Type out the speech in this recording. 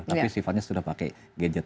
tapi sifatnya sudah pakai gadget